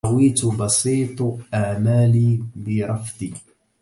طويت بسيط آمالي برفد